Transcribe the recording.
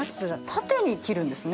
縦に切るんですね